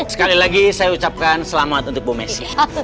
sekali lagi saya ucapkan selamat untuk bu messi